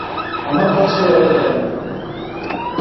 আমার কাছেও এত টাকা নেই।